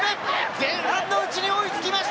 前半のうちに追いつきました！